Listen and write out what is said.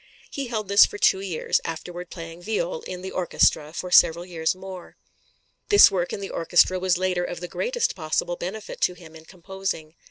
He held this for two years, afterward playing viol in the orchestra for several years more. This work in the orchestra was later of the greatest possible benefit to him in composing.